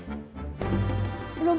di kampung ini ada penculikan